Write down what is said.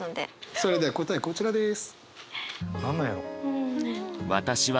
それでは答えこちらです。